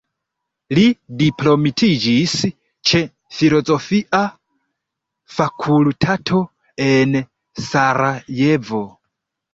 Li diplomitiĝis ĉe filozofia fakultato en Sarajevo.